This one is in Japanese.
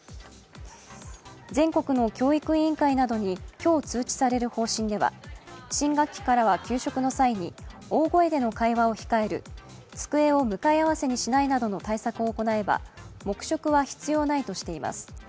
全国の教育委員会などに今日、通知される方針では、新学期からは給食の際に大声での会話を控える、机を向かい合わせにしないなどの対策を行えば黙食は必要ないとしています。